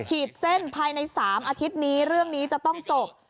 ขีดเส้นภายใน๓อาทิตย์นี้เรื่องนี้จะต้องจบ